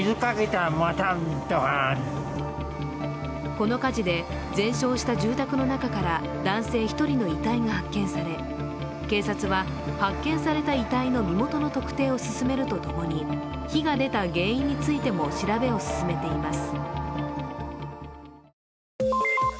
この火事で、全焼した住宅の中から男性１人の遺体が発見され警察は発見された遺体の身元の特定を進めるとともに、火が出た原因についても調べを進めています。